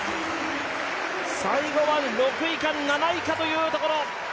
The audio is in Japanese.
最後は６位か７位かというところ。